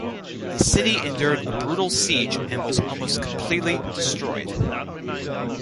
The city endured a brutal siege and was almost completely destroyed.